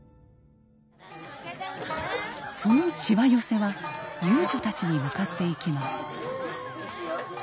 そのしわ寄せは遊女たちに向かっていきます。